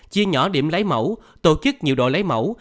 chia nhỏ điểm lấy mẫu tổ chức nhiều đội lấy mẫu